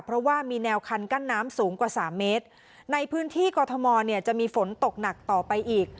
เพราะว่ามีแนวคันกั้นน้ำสูงกว่าสามเมตรในพื้นที่กรทมเนี่ยจะมีฝนตกหนักต่อไปอีก